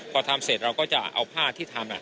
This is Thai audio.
พอทำเสร็จเราก็จะเอาผ้าที่ทำ